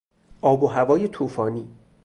آب و هوای توفانی